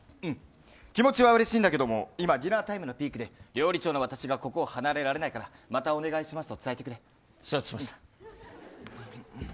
気持ちはうれしいんだけども今、ディナータイムのピークで料理長の私はここを離れられないから承知しました。